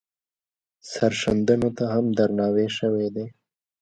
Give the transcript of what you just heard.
سرښندنو ته هم درناوی شوی دی.